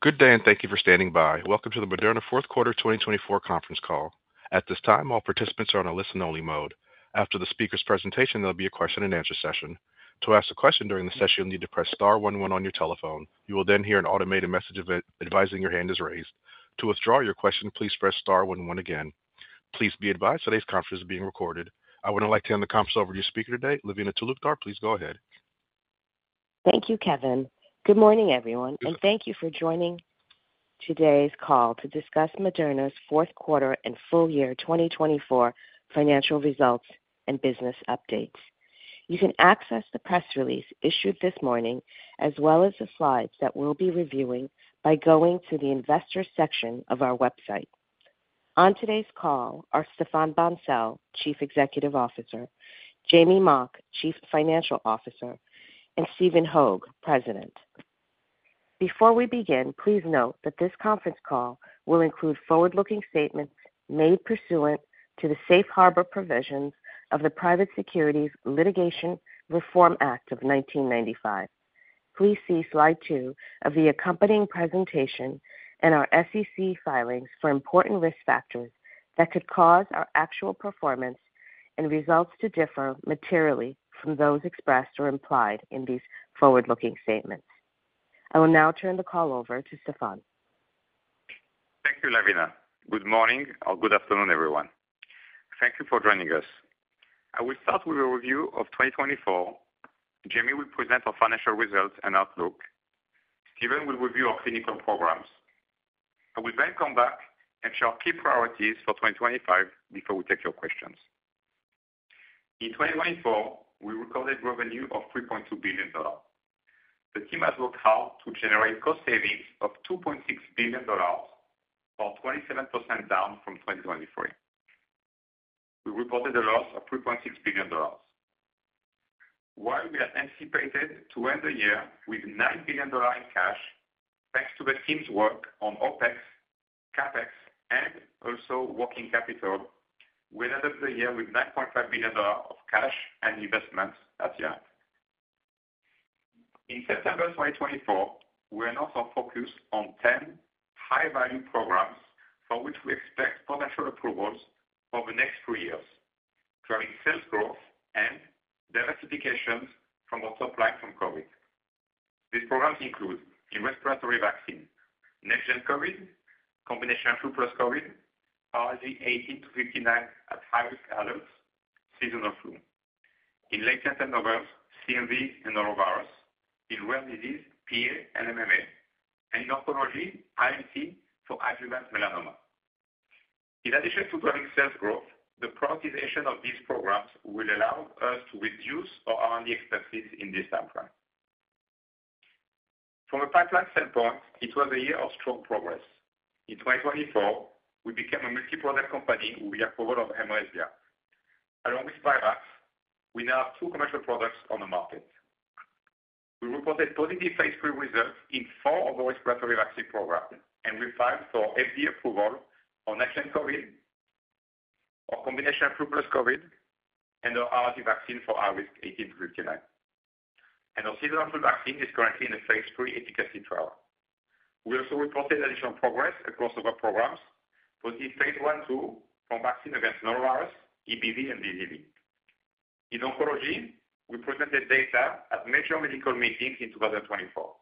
Good day, and thank you for standing by. Welcome to the Moderna Fourth Quarter 2024 conference call. At this time, all participants are on a listen-only mode. After the speaker's presentation, there'll be a question-and-answer session. To ask a question during the session, you'll need to press Star 11 on your telephone. You will then hear an automated message advising your hand is raised. To withdraw your question, please press Star 11 again. Please be advised today's conference is being recorded. I would now like to hand the conference over to your speaker today, Lavina Talukdar. Please go ahead. Thank you, Kevin. Good morning, everyone, and thank you for joining today's call to discuss Moderna's fourth quarter and full year 2024 financial results and business updates. You can access the press release issued this morning, as well as the slides that we'll be reviewing, by going to the investor section of our website. On today's call are Stéphane Bancel, Chief Executive Officer, Jamey Mock, Chief Financial Officer, and Stephen Hoge, President. Before we begin, please note that this conference call will include forward-looking statements made pursuant to the safe harbor provisions of the Private Securities Litigation Reform Act of 1995. Please see slide two of the accompanying presentation and our SEC filings for important risk factors that could cause our actual performance and results to differ materially from those expressed or implied in these forward-looking statements. I will now turn the call over to Stéphane. Thank you, Lavina. Good morning or good afternoon, everyone. Thank you for joining us. I will start with a review of 2024. Jamey will present our financial results and outlook. Stephen will review our clinical programs. I will then come back and share our key priorities for 2025 before we take your questions. In 2024, we recorded revenue of $3.2 billion. The team has worked hard to generate cost savings of $2.6 billion, or 27% down from 2023. We reported a loss of $3.6 billion. While we had anticipated to end the year with $9 billion in cash, thanks to the team's work on OPEX, CAPEX, and also working capital, we ended the year with $9.5 billion of cash and investments that year. In September 2024, we announced our focus on 10 high-value programs for which we expect potential approvals for the next three years, driving sales growth and diversification from our top line from COVID. These programs include: in respiratory vaccine, next-gen COVID, combination flu plus COVID, RSV 18 to 59 at high-risk adults, seasonal flu. In latent viruses: CMV and norovirus. In rare disease: PA and MMA. And in oncology: INT for adjuvant melanoma. In addition to driving sales growth, the prioritization of these programs will allow us to reduce our R&D expenses in this timeframe. From a pipeline standpoint, it was a year of strong progress. In 2024, we became a multi-product company with approval of mRESVIA. Along with Spikevax, we now have two commercial products on the market. We reported positive Phase 3 results in four of our respiratory vaccine programs, and we filed for FDA approval on next-gen COVID, our combination flu plus COVID, and our RSV vaccine for high-risk 18- to 59. Our seasonal flu vaccine is currently in the Phase 3 efficacy trial. We also reported additional progress across other programs: positive Phase 1/2 for vaccine against norovirus, EBV, and VZV. In oncology, we presented data at major medical meetings in 2024.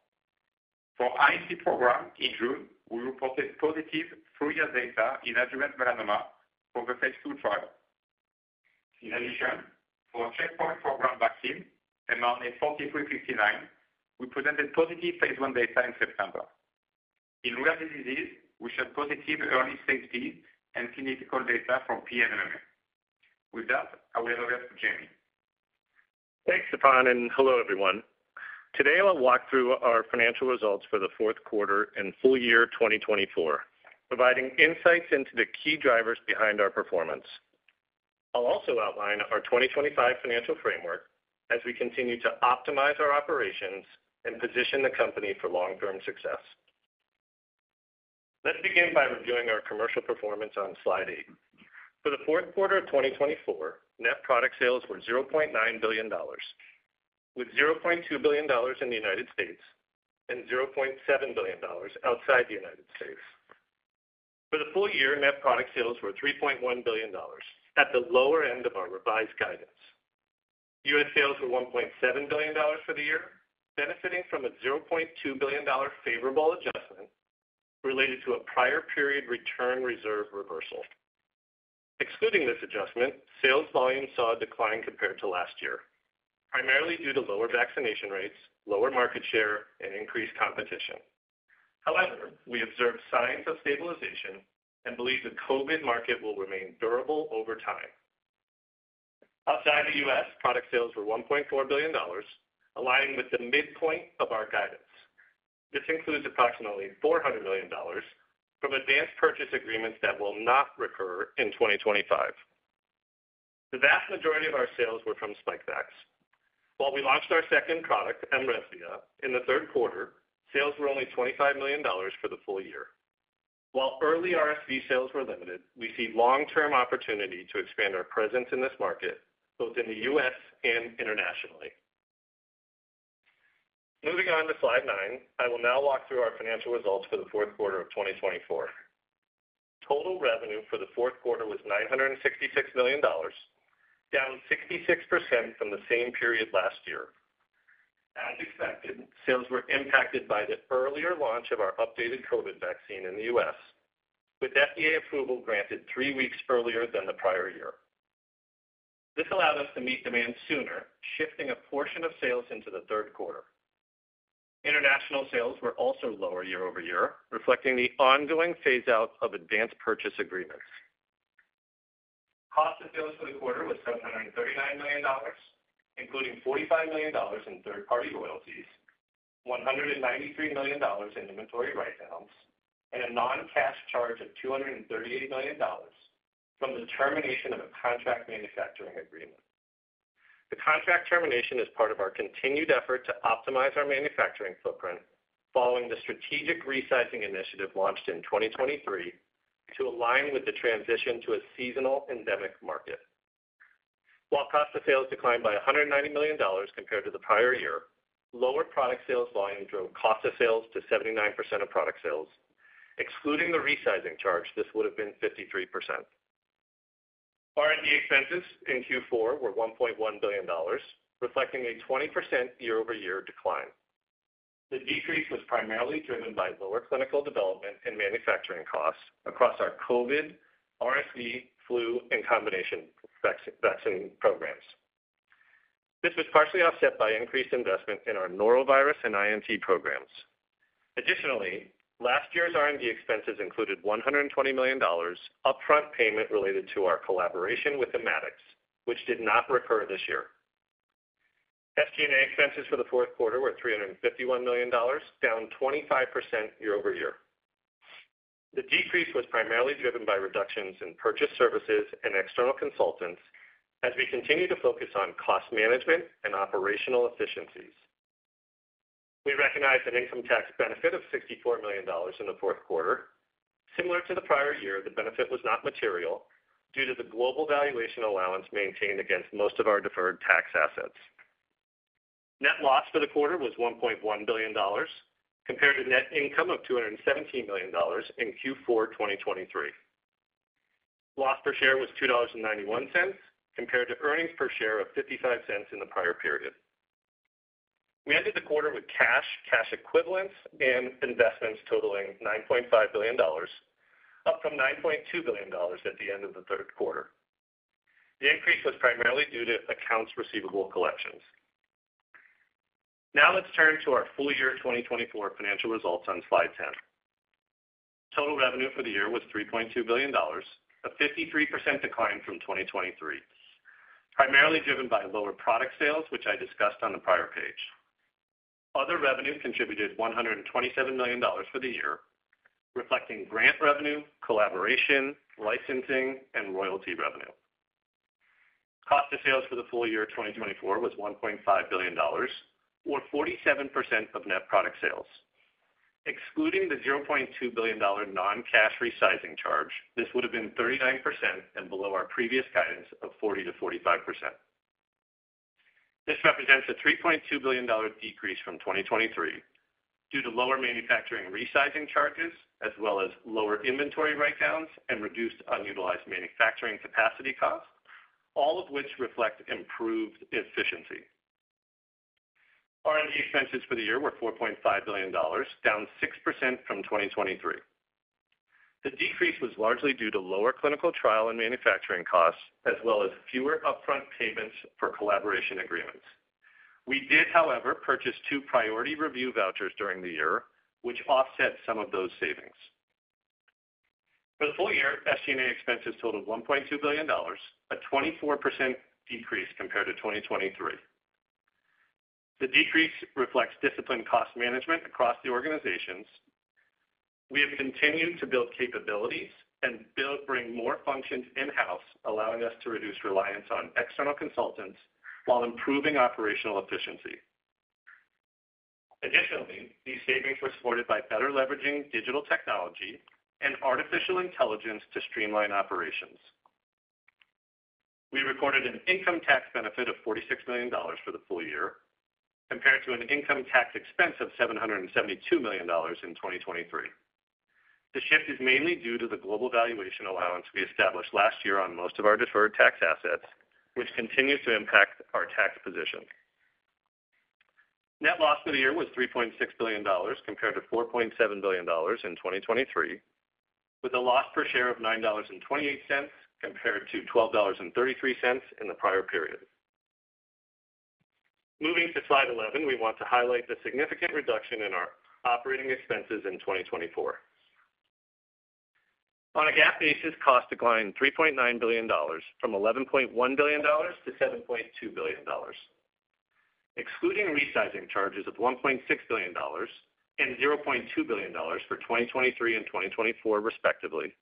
For INT program, in June, we reported positive three-year data in adjuvant melanoma for the Phase 2 trial. In addition, for checkpoint program vaccine, mRNA-4359, we presented positive Phase 1 data in September. In rare diseases, we showed positive Phase 1b and clinical data from PA and MMA. With that, I will hand over to Jamey. Hey, Stéphane, and hello, everyone. Today, I'll walk through our financial results for the fourth quarter and full year 2024, providing insights into the key drivers behind our performance. I'll also outline our 2025 financial framework as we continue to optimize our operations and position the company for long-term success. Let's begin by reviewing our commercial performance on slide eight. For the fourth quarter of 2024, net product sales were $0.9 billion, with $0.2 billion in the United States and $0.7 billion outside the United States. For the full year, net product sales were $3.1 billion, at the lower end of our revised guidance. U.S. sales were $1.7 billion for the year, benefiting from a $0.2 billion favorable adjustment related to a prior period return reserve reversal. Excluding this adjustment, sales volume saw a decline compared to last year, primarily due to lower vaccination rates, lower market share, and increased competition. However, we observed signs of stabilization and believe the COVID market will remain durable over time. Outside the U.S., product sales were $1.4 billion, aligning with the midpoint of our guidance. This includes approximately $400 million from advanced purchase agreements that will not recur in 2025. The vast majority of our sales were from Spikevax. While we launched our second product, mRESVIA, in the third quarter, sales were only $25 million for the full year. While early RSV sales were limited, we see long-term opportunity to expand our presence in this market, both in the U.S. and internationally. Moving on to slide nine, I will now walk through our financial results for the fourth quarter of 2024. Total revenue for the fourth quarter was $966 million, down 66% from the same period last year. As expected, sales were impacted by the earlier launch of our updated COVID vaccine in the U.S., with FDA approval granted three weeks earlier than the prior year. This allowed us to meet demand sooner, shifting a portion of sales into the third quarter. International sales were also lower year-over-year, reflecting the ongoing Phase-out of advanced purchase agreements. Cost of sales for the quarter was $739 million, including $45 million in third-party royalties, $193 million in inventory write-downs, and a non-cash charge of $238 million from the termination of a contract manufacturing agreement. The contract termination is part of our continued effort to optimize our manufacturing footprint, following the strategic resizing initiative launched in 2023 to align with the transition to a seasonal endemic market. While cost of sales declined by $190 million compared to the prior year, lower product sales volume drove cost of sales to 79% of product sales. Excluding the resizing charge, this would have been 53%. R&D expenses in Q4 were $1.1 billion, reflecting a 20% year-over-year decline. The decrease was primarily driven by lower clinical development and manufacturing costs across our COVID, RSV, flu, and combination vaccine programs. This was partially offset by increased investment in our norovirus and INT programs. Additionally, last year's R&D expenses included $120 million upfront payment related to our collaboration with Immatics, which did not recur this year. SG&A expenses for the fourth quarter were $351 million, down 25% year-over-year. The decrease was primarily driven by reductions in purchase services and external consultants as we continue to focus on cost management and operational efficiencies. We recognize an income tax benefit of $64 million in the fourth quarter. Similar to the prior year, the benefit was not material due to the global valuation allowance maintained against most of our deferred tax assets. Net loss for the quarter was $1.1 billion, compared to net income of $217 million in Q4 2023. Loss per share was $2.91, compared to earnings per share of $0.55 in the prior period. We ended the quarter with cash, cash equivalents, and investments totaling $9.5 billion, up from $9.2 billion at the end of the third quarter. The increase was primarily due to accounts receivable collections. Now let's turn to our full year 2024 financial results on slide 10. Total revenue for the year was $3.2 billion, a 53% decline from 2023, primarily driven by lower product sales, which I discussed on the prior page. Other revenue contributed $127 million for the year, reflecting grant revenue, collaboration, licensing, and royalty revenue. Cost of sales for the full year 2024 was $1.5 billion, or 47% of net product sales. Excluding the $0.2 billion non-cash resizing charge, this would have been 39% and below our previous guidance of 40% to 45%. This represents a $3.2 billion decrease from 2023 due to lower manufacturing resizing charges, as well as lower inventory write-downs and reduced unutilized manufacturing capacity costs, all of which reflect improved efficiency. R&D expenses for the year were $4.5 billion, down 6% from 2023. The decrease was largely due to lower clinical trial and manufacturing costs, as well as fewer upfront payments for collaboration agreements. We did, however, purchase two priority review vouchers during the year, which offset some of those savings. For the full year, SG&A expenses totaled $1.2 billion, a 24% decrease compared to 2023. The decrease reflects disciplined cost management across the organizations. We have continued to build capabilities and bring more functions in-house, allowing us to reduce reliance on external consultants while improving operational efficiency. Additionally, these savings were supported by better leveraging digital technology and artificial intelligence to streamline operations. We recorded an income tax benefit of $46 million for the full year, compared to an income tax expense of $772 million in 2023. The shift is mainly due to the global valuation allowance we established last year on most of our deferred tax assets, which continues to impact our tax position. Net loss for the year was $3.6 billion, compared to $4.7 billion in 2023, with a loss per share of $9.28, compared to $12.33 in the prior period. Moving to slide 11, we want to highlight the significant reduction in our operating expenses in 2024. On a GAAP basis, costs declined $3.9 billion, from $11.1 billion to $7.2 billion. Excluding resizing charges of $1.6 billion and $0.2 billion for 2023 and 2024, respectively,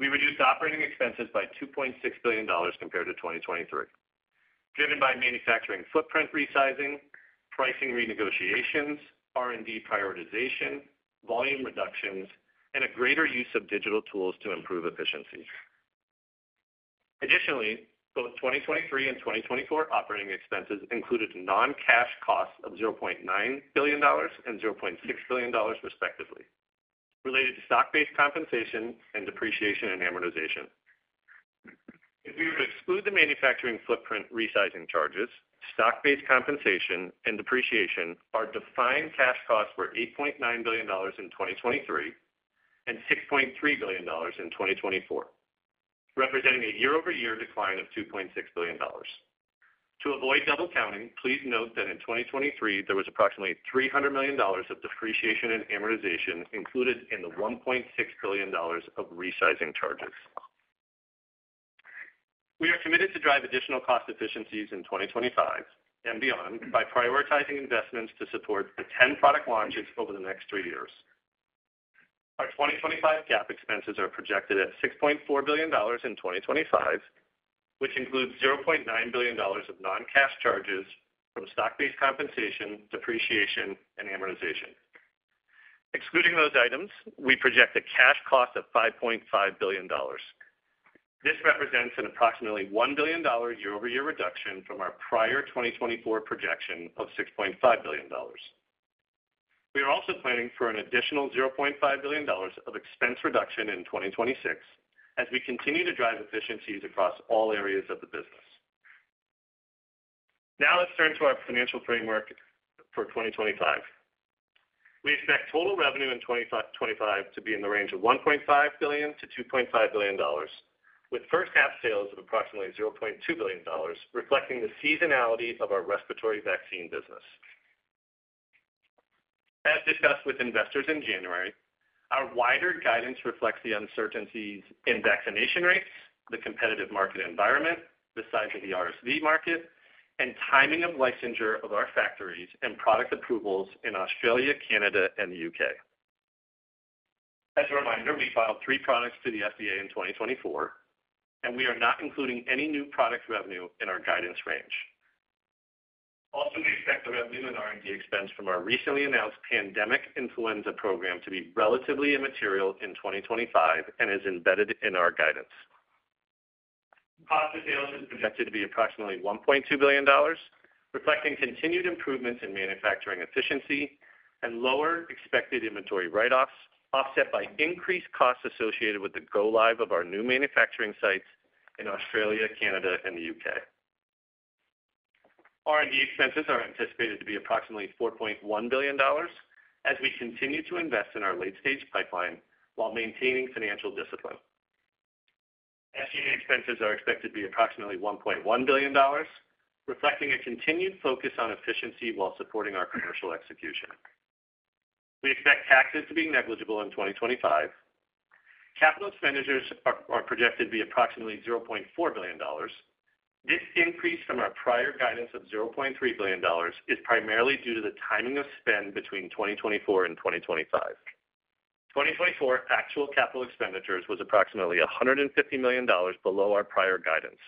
we reduced operating expenses by $2.6 billion compared to 2023, driven by manufacturing footprint resizing, pricing renegotiations, R&D prioritization, volume reductions, and a greater use of digital tools to improve efficiencies. Additionally, both 2023 and 2024 operating expenses included non-cash costs of $0.9 billion and $0.6 billion, respectively, related to stock-based compensation and depreciation and amortization. If we were to exclude the manufacturing footprint resizing charges, stock-based compensation, and depreciation and amortization, defined cash costs were $8.9 billion in 2023 and $6.3 billion in 2024, representing a year-over-year decline of $2.6 billion. To avoid double counting, please note that in 2023, there was approximately $300 million of depreciation and amortization included in the $1.6 billion of resizing charges. We are committed to drive additional cost efficiencies in 2025 and beyond by prioritizing investments to support the 10 product launches over the next three years. Our 2025 GAAP expenses are projected at $6.4 billion in 2025, which includes $0.9 billion of non-cash charges from stock-based compensation, depreciation, and amortization. Excluding those items, we project a cash cost of $5.5 billion. This represents an approximately $1 billion year-over-year reduction from our prior 2024 projection of $6.5 billion. We are also planning for an additional $0.5 billion of expense reduction in 2026 as we continue to drive efficiencies across all areas of the business. Now let's turn to our financial framework for 2025. We expect total revenue in 2025 to be in the range of $1.5 billion-$2.5 billion, with first-half sales of approximately $0.2 billion, reflecting the seasonality of our respiratory vaccine business. As discussed with investors in January, our wider guidance reflects the uncertainties in vaccination rates, the competitive market environment, the size of the RSV market, and timing of licensure of our factories and product approvals in Australia, Canada, and the U.K. As a reminder, we filed three products to the FDA in 2024, and we are not including any new product revenue in our guidance range. Also, we expect the revenue and R&D expense from our recently announced pandemic influenza program to be relatively immaterial in 2025 and is embedded in our guidance. Cost of sales is projected to be approximately $1.2 billion, reflecting continued improvements in manufacturing efficiency and lower expected inventory write-offs, offset by increased costs associated with the go-live of our new manufacturing sites in Australia, Canada, and the UK. R&D expenses are anticipated to be approximately $4.1 billion as we continue to invest in our late-stage pipeline while maintaining financial discipline. SG&A expenses are expected to be approximately $1.1 billion, reflecting a continued focus on efficiency while supporting our commercial execution. We expect taxes to be negligible in 2025. Capital expenditures are projected to be approximately $0.4 billion. This increase from our prior guidance of $0.3 billion is primarily due to the timing of spend between 2024 and 2025. 2024 actual capital expenditures was approximately $150 million below our prior guidance.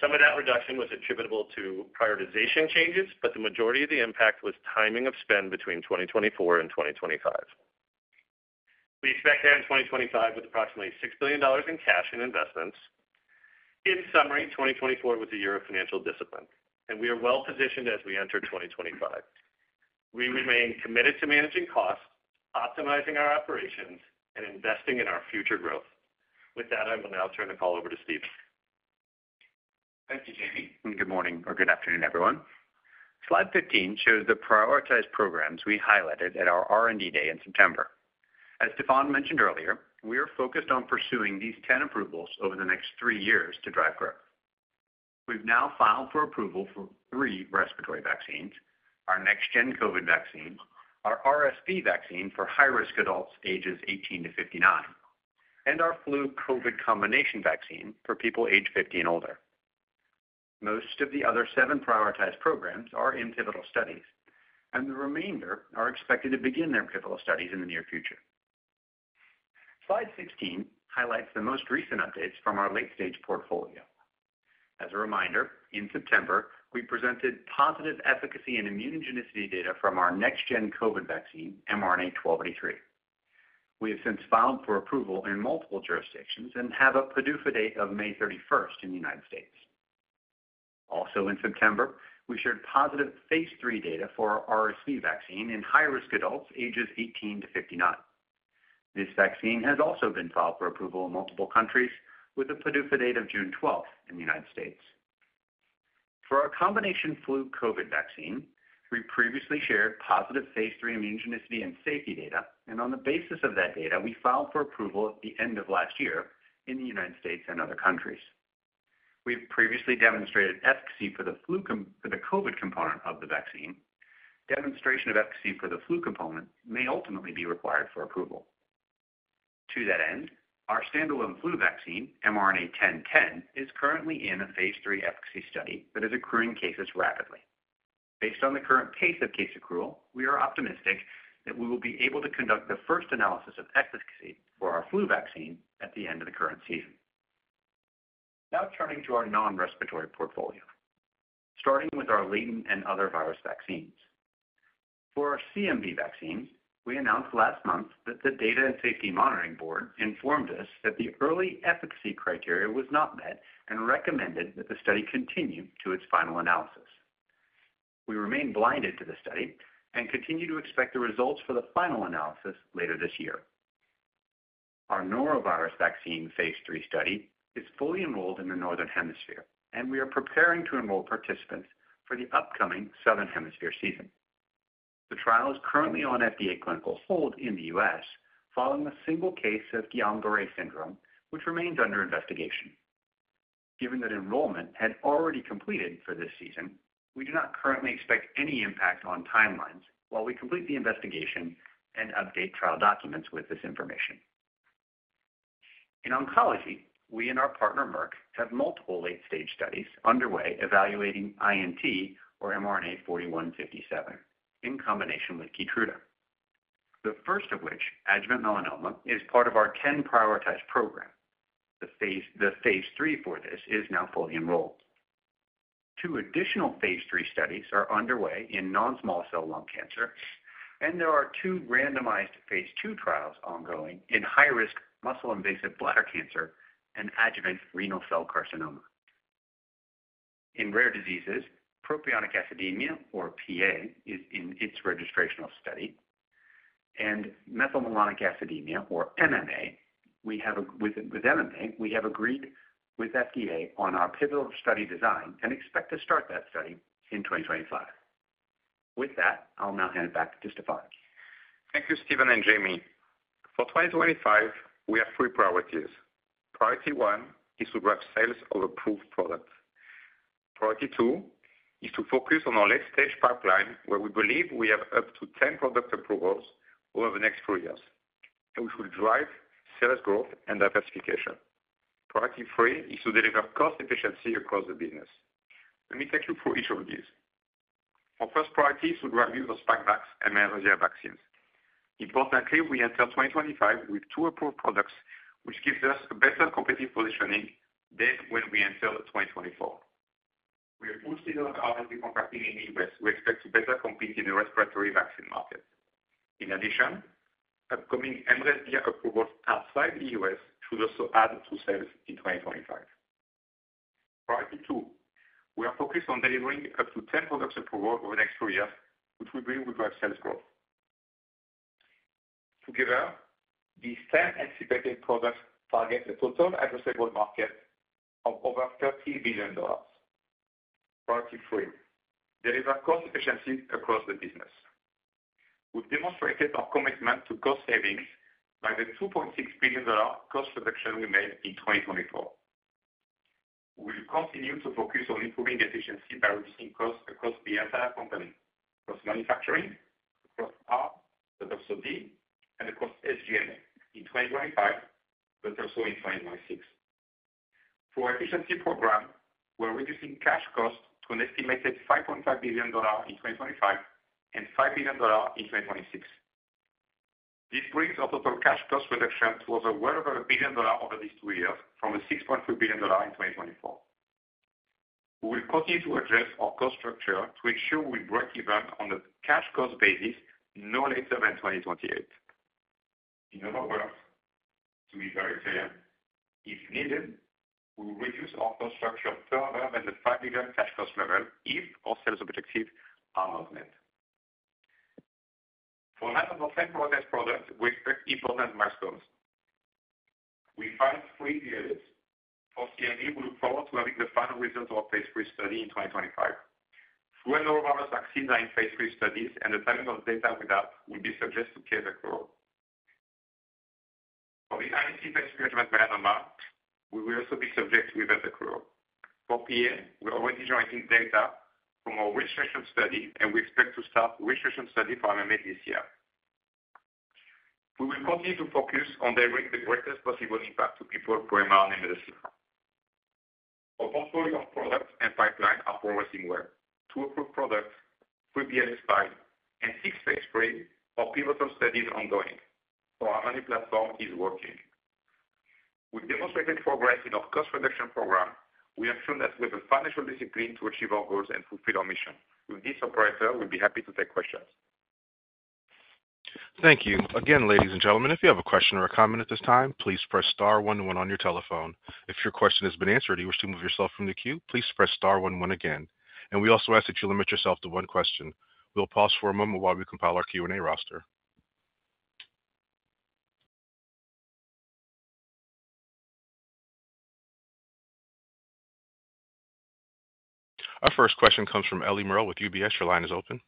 Some of that reduction was attributable to prioritization changes, but the majority of the impact was timing of spend between 2024 and 2025. We expect to end 2025 with approximately $6 billion in cash and investments. In summary, 2024 was a year of financial discipline, and we are well-positioned as we enter 2025. We remain committed to managing costs, optimizing our operations, and investing in our future growth. With that, I will now turn the call over to Stephen. Thank you, Jamey. Good morning or good afternoon, everyone. Slide 15 shows the prioritized programs we highlighted at our R&D day in September. As Stéphane mentioned earlier, we are focused on pursuing these 10 approvals over the next three years to drive growth. We've now filed for approval for three respiratory vaccines, our next-gen COVID vaccine, our RSV vaccine for high-risk adults ages 18 to 59, and our flu-COVID combination vaccine for people aged 50 and older. Most of the other seven prioritized programs are in pivotal studies, and the remainder are expected to begin their pivotal studies in the near future. Slide 16 highlights the most recent updates from our late-stage portfolio. As a reminder, in September, we presented positive efficacy and immunogenicity data from our next-gen COVID vaccine, mRNA-1283. We have since filed for approval in multiple jurisdictions and have a PDUFA date of May 31 in the United States. Also, in September, we shared positive Phase 3 data for our RSV vaccine in high-risk adults ages 18 to 59. This vaccine has also been filed for approval in multiple countries, with a PDUFA date of June 12 in the United States. For our combination flu-COVID vaccine, we previously shared positive Phase three immunogenicity and safety data, and on the basis of that data, we filed for approval at the end of last year in the United States and other countries. We've previously demonstrated efficacy for the flu for the COVID component of the vaccine. Demonstration of efficacy for the flu component may ultimately be required for approval. To that end, our standalone flu vaccine, mRNA-1010, is currently in a Phase three efficacy study that is accruing cases rapidly. Based on the current pace of case accrual, we are optimistic that we will be able to conduct the first analysis of efficacy for our flu vaccine at the end of the current season. Now turning to our non-respiratory portfolio, starting with our latent and other virus vaccines. For our CMV vaccines, we announced last month that the Data and Safety Monitoring Board informed us that the early efficacy criteria was not met and recommended that the study continue to its final analysis. We remain blinded to the study and continue to expect the results for the final analysis later this year. Our norovirus vaccine Phase 3 study is fully enrolled in the northern hemisphere, and we are preparing to enroll participants for the upcoming southern hemisphere season. The trial is currently on FDA clinical hold in the U.S., following a single case of Guillain-Barré syndrome, which remains under investigation. Given that enrollment had already completed for this season, we do not currently expect any impact on timelines while we complete the investigation and update trial documents with this information. In oncology, we and our partner, Merck, have multiple late-stage studies underway evaluating INT or mRNA-4157 in combination with Keytruda, the first of which, adjuvant melanoma, is part of our 10 prioritized program. The Phase three for this is now fully enrolled. Two additional Phase three studies are underway in non-small cell lung cancer, and there are two randomized Phase two trials ongoing in high-risk muscle-invasive bladder cancer and adjuvant renal cell carcinoma. In rare diseases, propionic acidemia, or PA, is in its registrational study, and methylmalonic acidemia, or MMA, we have agreed with FDA on our pivotal study design and expect to start that study in 2025. With that, I'll now hand it back to Stéphane. Thank you, Stephen and Jamey. For 2025, we have three priorities. Priority one is to drive sales of approved products. Priority two is to focus on our late-stage pipeline, where we believe we have up to 10 product approvals over the next four years, which will drive sales growth and diversification. Priority three is to deliver cost efficiency across the business. Let me take you through each of these. Our first priority is to drive use of Spikevax and mRESVIA vaccines. Importantly, we enter 2025 with two approved products, which gives us a better competitive positioning than when we entered 2024. We have two seasonal RSV vaccines in the U.S., which we expect to better compete in the respiratory vaccine market. In addition, upcoming mRESVIA approvals outside the U.S. should also add to sales in 2025. Priority two, we are focused on delivering up to 10 products approved over the next four years, which we believe will drive sales growth. Together, these 10 anticipated products target a total addressable market of over $30 billion. Priority three, deliver cost efficiency across the business. We've demonstrated our commitment to cost savings by the $2.6 billion cost reduction we made in 2024. We will continue to focus on improving efficiency by reducing costs across the entire company, across manufacturing, across R, but also D, and across SG&A in 2025, but also in 2026. For our efficiency program, we're reducing cash costs to an estimated $5.5 billion in 2025 and $5 billion in 2026. This brings our total cash cost reduction to over well over a billion dollars over these two years, from a $6.3 billion in 2024. We will continue to adjust our cost structure to ensure we break even on a cash cost basis no later than 2028. In other words, to be very clear, if needed, we will reduce our cost structure further than the $5 billion cash cost level if our sales objectives are not met. For the uncertain (likely 'portfolio of 10 prioritized products'), we expect important milestones. We filed three this year. For CMV, we look forward to having the final results of our Phase three study in 2025. Through our norovirus vaccine in Phase three studies, and the timing of data with that will be subject to case accrual. For the INT Phase three adjuvant melanoma, we will also be subject to event accrual. For PA, we're already generating data from our registration study, and we expect to start registration study for MMA this year. We will continue to focus on delivering the greatest possible impact to people through mRNA medicines. Our portfolio of products and pipeline are progressing well. Two approved products, Three BLAs filed, and six Phase 3 pivotal studies ongoing. So our mRNA platform is working. We've demonstrated progress in our cost reduction program. We have shown that we have the financial discipline to achieve our goals and fulfill our mission. With that, operator, we'd be happy to take questions. Thank you. Again, ladies and gentlemen, if you have a question or a comment at this time, please press star one on your telephone. If your question has been answered, you wish to remove yourself from the queue, please press star one again. And we also ask that you limit yourself to one question. We'll pause for a moment while we compile our Q&A roster. Our first question comes from Ellie Merle with UBS. Your line is open.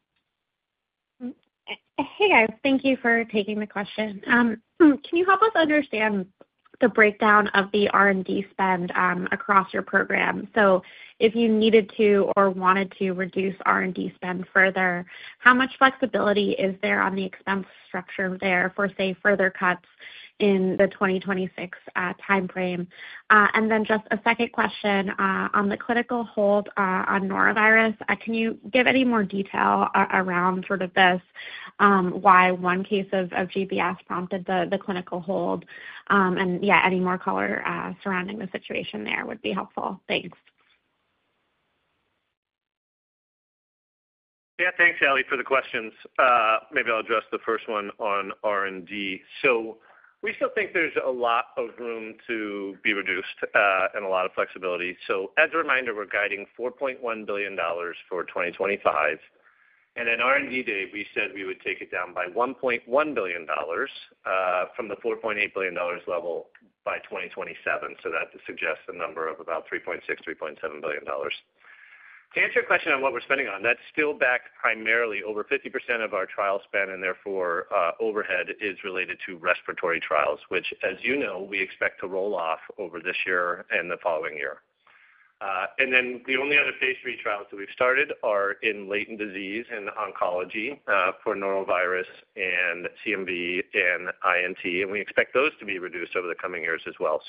Hey, guys. Thank you for taking the question. Can you help us understand the breakdown of the R&D spend across your program? So if you needed to or wanted to reduce R&D spend further, how much flexibility is there on the expense structure there for, say, further cuts in the 2026 timeframe? And then just a second question on the clinical hold on norovirus. Can you give any more detail around sort of this, why one case of GBS prompted the clinical hold? And yeah, any more color surrounding the situation there would be helpful. Thanks. Yeah, thanks, Ellie, for the questions. Maybe I'll address the first one on R&D. So we still think there's a lot of room to be reduced and a lot of flexibility. So as a reminder, we're guiding $4.1 billion for 2025. And at R&D day, we said we would take it down by $1.1 billion from the $4.8 billion level by 2027. That suggests a number of about $3.6-$3.7 billion. To answer your question on what we're spending on, that's still back primarily over 50% of our trial spend, and therefore overhead is related to respiratory trials, which, as you know, we expect to roll off over this year and the following year. The only other Phase three trials that we've started are in latent disease and oncology for norovirus and CMV and INT, and we expect those to be reduced over the coming years as well.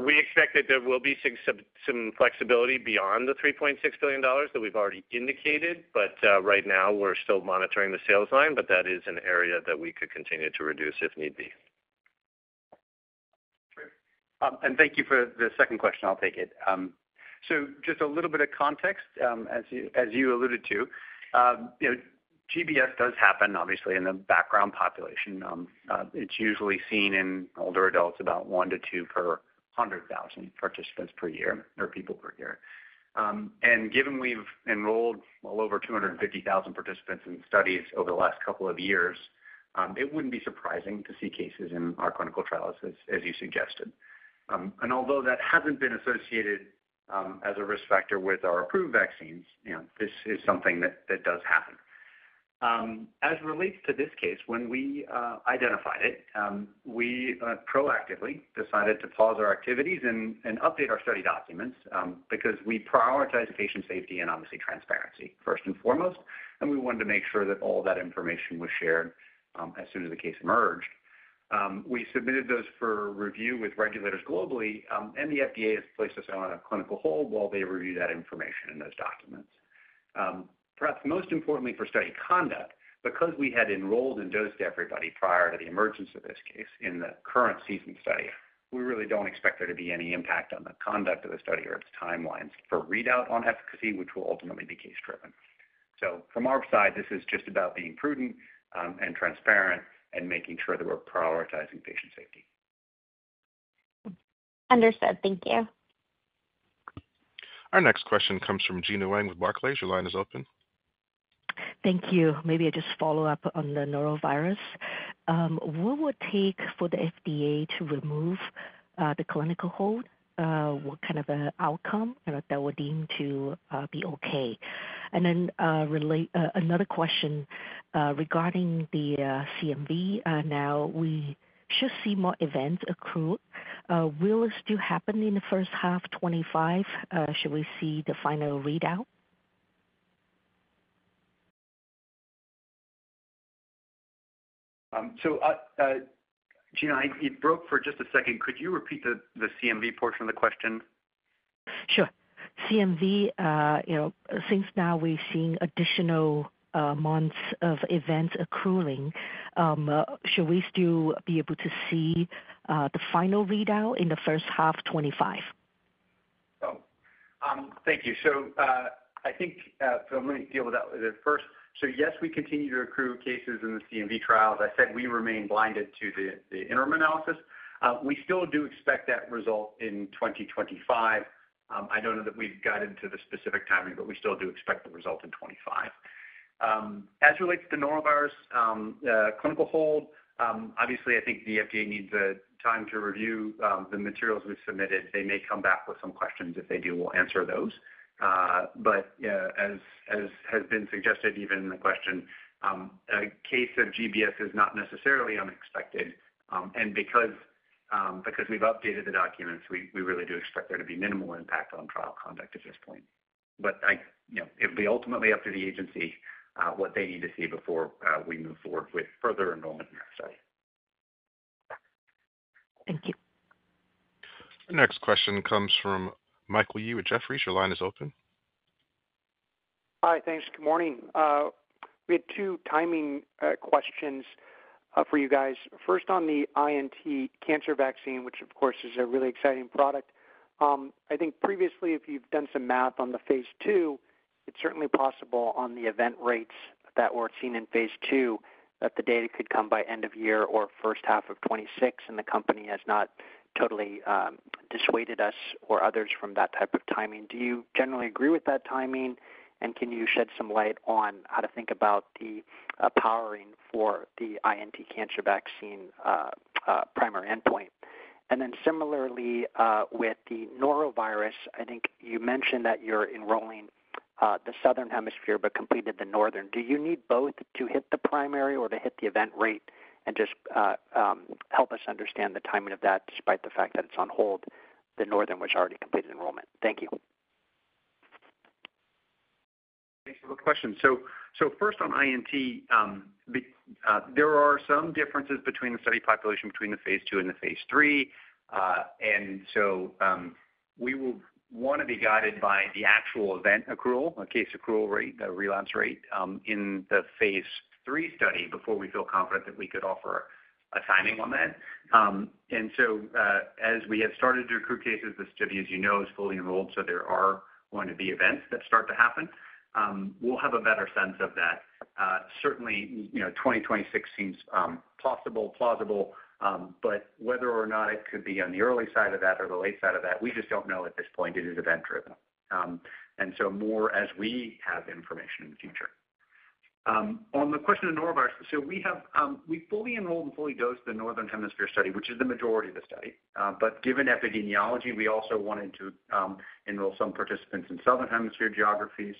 We expect that there will be some flexibility beyond the $3.6 billion that we've already indicated, but right now we're still monitoring the sales line, but that is an area that we could continue to reduce if need be. Thank you for the second question. I'll take it. Just a little bit of context, as you alluded to, GBS does happen, obviously, in the background population. It's usually seen in older adults, about one to two per 100,000 participants per year or people per year. And given we've enrolled well over 250,000 participants in studies over the last couple of years, it wouldn't be surprising to see cases in our clinical trials, as you suggested. And although that hasn't been associated as a risk factor with our approved vaccines, this is something that does happen. As it relates to this case, when we identified it, we proactively decided to pause our activities and update our study documents because we prioritize patient safety and, obviously, transparency first and foremost, and we wanted to make sure that all that information was shared as soon as the case emerged. We submitted those for review with regulators globally, and the FDA has placed us on a clinical hold while they review that information and those documents. Perhaps most importantly for study conduct, because we had enrolled and dosed everybody prior to the emergence of this case in the current season study, we really don't expect there to be any impact on the conduct of the study or its timelines for readout on efficacy, which will ultimately be case-driven. So from our side, this is just about being prudent and transparent and making sure that we're prioritizing patient safety. Understood. Thank you. Our next question comes from Gina Wang with Barclays. Your line is open. Thank you. Maybe I just follow up on the norovirus. What would it take for the FDA to remove the clinical hold? What kind of an outcome that would deem to be okay? And then another question regarding the CMV. Now, we should see more events accrued. Will this still happen in the first half of 2025? Should we see the final readout? So, Gina, it broke for just a second. Could you repeat the CMV portion of the question? Sure. CMV, since now we've seen additional months of events accruing, should we still be able to see the final readout in the first half of 2025? Thank you. So, I think so. Let me deal with that. So yes, we continue to accrue cases in the CMV trial. As I said, we remain blinded to the interim analysis. We still do expect that result in 2025. I don't know that we've gotten to the specific timing, but we still do expect the result in 2025. As it relates to the norovirus clinical hold, obviously, I think the FDA needs time to review the materials we've submitted. They may come back with some questions. If they do, we'll answer those. But as has been suggested, even in the question, a case of GBS is not necessarily unexpected. And because we've updated the documents, we really do expect there to be minimal impact on trial conduct at this point. But it'll be ultimately up to the agency what they need to see before we move forward with further enrollment in that study. Thank you. Next question comes from Michael Yee with Jefferies. Your line is open. Hi, thanks. Good morning. We had two timing questions for you guys. First, on the INT cancer vaccine, which, of course, is a really exciting product. I think previously, if you've done some math on the Phase two, it's certainly possible on the event rates that were seen in Phase two that the data could come by end of year or first half of 2026, and the company has not totally dissuaded us or others from that type of timing. Do you generally agree with that timing? And can you shed some light on how to think about the powering for the INT cancer vaccine primary endpoint? And then similarly, with the norovirus, I think you mentioned that you're enrolling the southern hemisphere but completed the northern. Do you need both to hit the primary or to hit the event rate and just help us understand the timing of that despite the fact that it's on hold, the northern, which already completed enrollment? Thank you. Thanks for the question. First, on INT, there are some differences between the study population between the Phase two and the Phase three. We will want to be guided by the actual event accrual, a case accrual rate, a relapse rate in the Phase three study before we feel confident that we could offer a timing on that. As we have started to accrue cases, the study, as you know, is fully enrolled, so there are going to be events that start to happen. We'll have a better sense of that. Certainly, 2026 seems possible, plausible, but whether or not it could be on the early side of that or the late side of that, we just don't know at this point. It is event-driven. More as we have information in the future. On the question of norovirus, so we fully enrolled and fully dosed the Northern Hemisphere study, which is the majority of the study. But given epidemiology, we also wanted to enroll some participants in Southern Hemisphere geographies.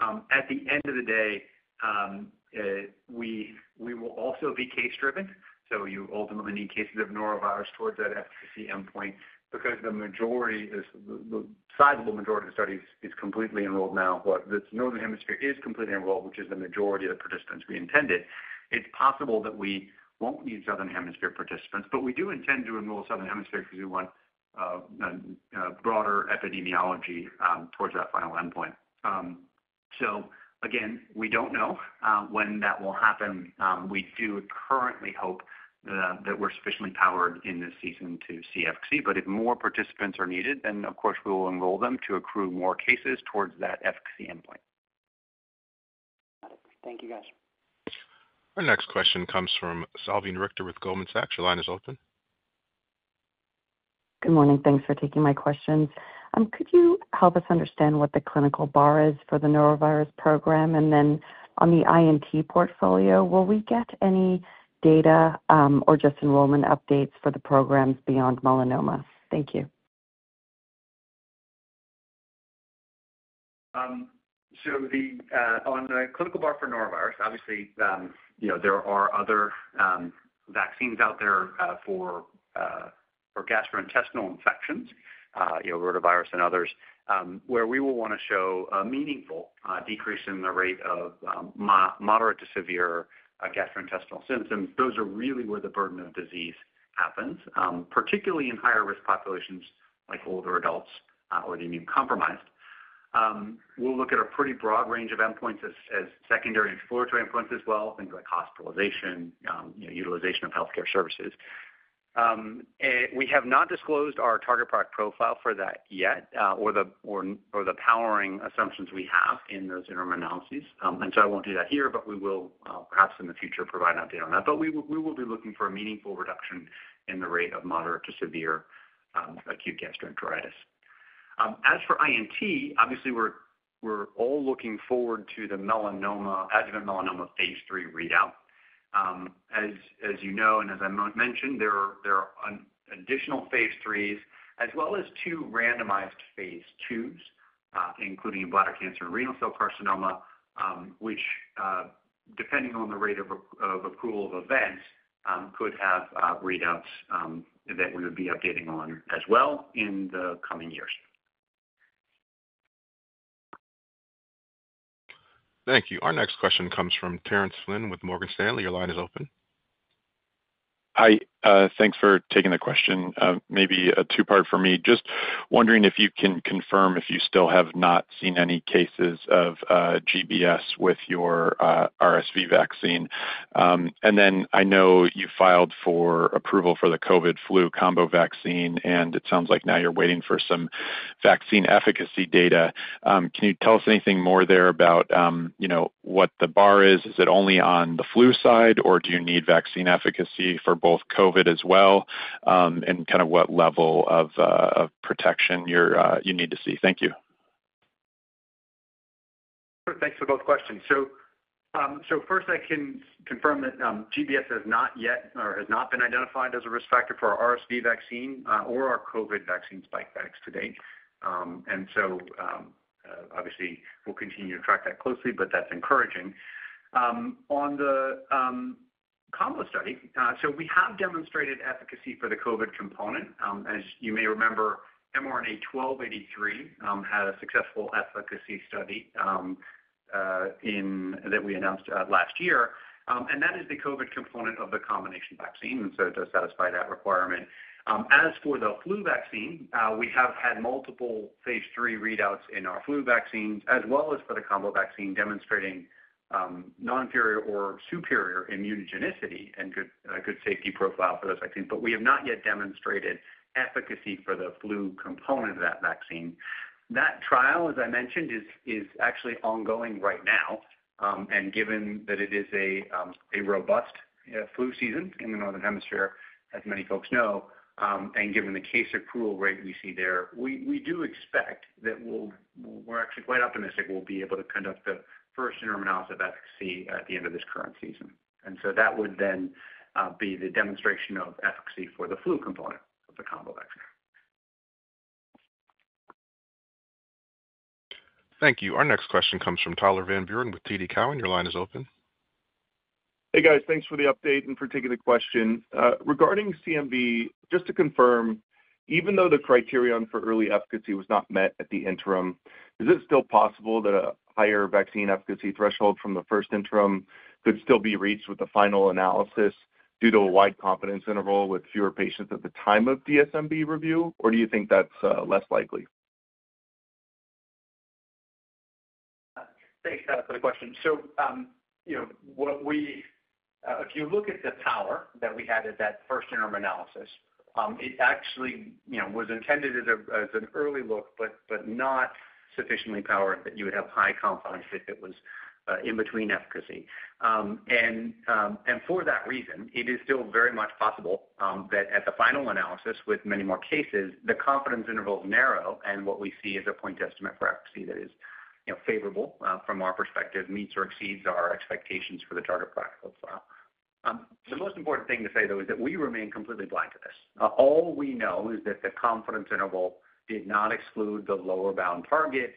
At the end of the day, we will also be case-driven. So you ultimately need cases of norovirus towards that efficacy endpoint because the sizable majority of the study is completely enrolled now. The Northern Hemisphere is completely enrolled, which is the majority of the participants we intended. It's possible that we won't need Southern Hemisphere participants, but we do intend to enroll Southern Hemisphere because we want broader epidemiology towards that final endpoint. So again, we don't know when that will happen. We do currently hope that we're sufficiently powered in this season to see efficacy. But if more participants are needed, then, of course, we will enroll them to accrue more cases towards that efficacy endpoint. Got it. Thank you, guys. Our next question comes from Salveen Richter with Goldman Sachs. Your line is open. Good morning. Thanks for taking my questions. Could you help us understand what the clinical bar is for the norovirus program? And then on the INT portfolio, will we get any data or just enrollment updates for the programs beyond melanoma? Thank you. So on the clinical bar for norovirus, obviously, there are other vaccines out there for gastrointestinal infections, rotavirus and others, where we will want to show a meaningful decrease in the rate of moderate to severe gastrointestinal symptoms. Those are really where the burden of disease happens, particularly in higher-risk populations like older adults or the immune-compromised. We'll look at a pretty broad range of endpoints as secondary and exploratory endpoints as well, things like hospitalization, utilization of healthcare services. We have not disclosed our target product profile for that yet or the powering assumptions we have in those interim analyses. And so I won't do that here, but we will, perhaps in the future, provide an update on that. But we will be looking for a meaningful reduction in the rate of moderate to severe acute gastroenteritis. As for INT, obviously, we're all looking forward to the adjuvant melanoma Phase three readout. As you know, and as I mentioned, there are additional Phase threes as well as two randomized Phase twos, including bladder cancer and renal cell carcinoma, which, depending on the rate of accrual of events, could have readouts that we would be updating on as well in the coming years. Thank you. Our next question comes from Terence Flynn with Morgan Stanley. Your line is open. Hi. Thanks for taking the question. Maybe a two-part for me. Just wondering if you can confirm if you still have not seen any cases of GBS with your RSV vaccine. And then I know you filed for approval for the COVID flu combo vaccine, and it sounds like now you're waiting for some vaccine efficacy data. Can you tell us anything more there about what the bar is? Is it only on the flu side, or do you need vaccine efficacy for both COVID as well, and kind of what level of protection you need to see? Thank you. Perfect. Thanks for both questions. So first, I can confirm that GBS has not yet or has not been identified as a risk factor for our RSV vaccine or our COVID vaccine Spikevax today. And so obviously, we'll continue to track that closely, but that's encouraging. On the combo study, so we have demonstrated efficacy for the COVID component. As you may remember, mRNA-1283 had a successful efficacy study that we announced last year. And that is the COVID component of the combination vaccine, and so it does satisfy that requirement. As for the flu vaccine, we have had multiple Phase 3 readouts in our flu vaccines as well as for the combo vaccine demonstrating non-inferior or superior immunogenicity and good safety profile for those vaccines, but we have not yet demonstrated efficacy for the flu component of that vaccine. That trial, as I mentioned, is actually ongoing right now. And given that it is a robust flu season in the northern hemisphere, as many folks know, and given the case accrual rate we see there, we do expect that we're actually quite optimistic we'll be able to conduct the first interim analysis of efficacy at the end of this current season. And so that would then be the demonstration of efficacy for the flu component of the combo vaccine. Thank you. Our next question comes from Tyler Van Buren with TD Cowen. Your line is open. Hey, guys. Thanks for the update and for taking the question. Regarding CMV, just to confirm, even though the criterion for early efficacy was not met at the interim, is it still possible that a higher vaccine efficacy threshold from the first interim could still be reached with the final analysis due to a wide confidence interval with fewer patients at the time of DSMB review, or do you think that's less likely? Thanks for the question. So if you look at the power that we had at that first interim analysis, it actually was intended as an early look, but not sufficiently powered that you would have high confidence if it was in between efficacy. For that reason, it is still very much possible that at the final analysis with many more cases, the confidence interval is narrow, and what we see is a point estimate for efficacy that is favorable from our perspective, meets or exceeds our expectations for the target product profile. The most important thing to say, though, is that we remain completely blind to this. All we know is that the confidence interval did not exclude the lower-bound target.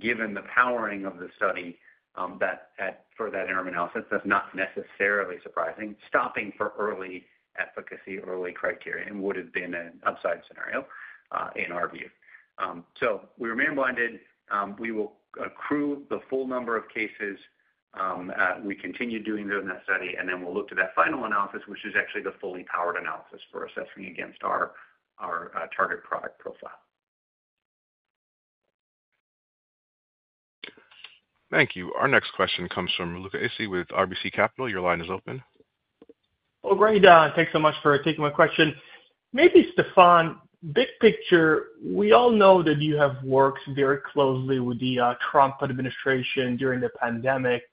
Given the powering of the study for that interim analysis, that's not necessarily surprising. Stopping for early efficacy, early criterion, would have been an upside scenario in our view. We remain blinded. We will accrue the full number of cases. We continue doing the interim study, and then we'll look to that final analysis, which is actually the fully powered analysis for assessing against our target product profile. Thank you. Our next question comes from Luca Issi with RBC Capital Markets. Your line is open. Well, great. Thanks so much for taking my question. Maybe, Stéphane, big picture, we all know that you have worked very closely with the Trump administration during the pandemic.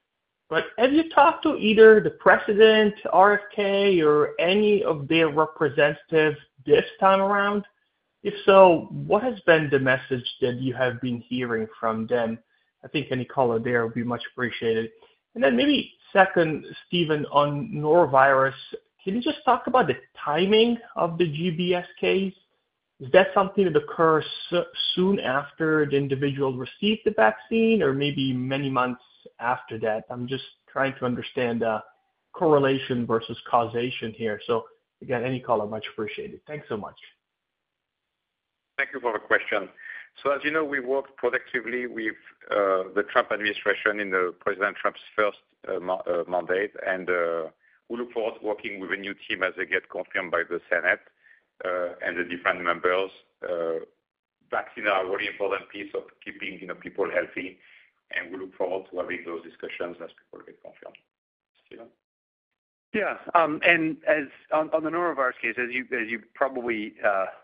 But have you talked to either the president, RFK, or any of their representatives this time around? If so, what has been the message that you have been hearing from them? I think any color there would be much appreciated. And then maybe second, Stephen, on norovirus, can you just talk about the timing of the GBS case? Is that something that occurs soon after the individual received the vaccine or maybe many months after that? I'm just trying to understand correlation versus causation here. So again, any color, much appreciated. Thanks so much. Thank you for the question. So as you know, we've worked productively with the Trump administration in President Trump's first mandate, and we look forward to working with a new team as they get confirmed by the Senate and the different members. Vaccines are a really important piece of keeping people healthy, and we look forward to having those discussions as people get confirmed. Stephen? Yeah. And on the norovirus case, as you probably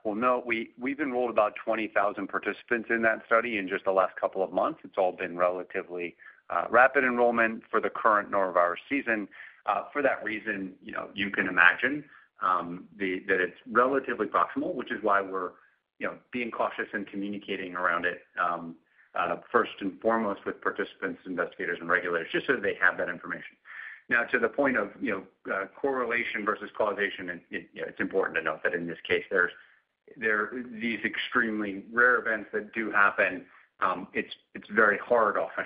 will know, we've enrolled about 20,000 participants in that study in just the last couple of months. It's all been relatively rapid enrollment for the current norovirus season. For that reason, you can imagine that it's relatively proximal, which is why we're being cautious in communicating around it first and foremost with participants, investigators, and regulators just so they have that information. Now, to the point of correlation versus causation, it's important to note that in this case, there are these extremely rare events that do happen. It's very hard often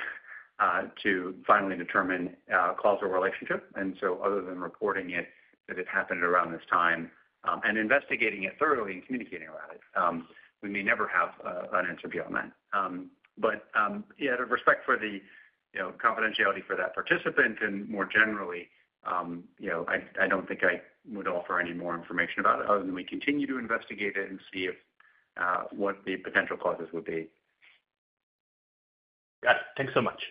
to finally determine causal relationship. And so other than reporting it, that it happened around this time and investigating it thoroughly and communicating around it, we may never have an answer beyond that. But yeah, with respect for the confidentiality for that participant and more generally, I don't think I would offer any more information about it other than we continue to investigate it and see what the potential causes would be. Got it. Thanks so much.